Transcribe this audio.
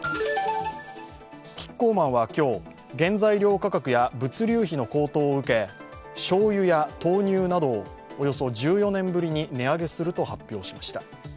キッコーマンは今日、原材料価格や物流費の高騰を受けしょうゆや豆乳などをおよそ１４年ぶりに値上げすると発表しました。